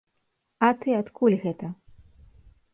А ты адкуль гэта?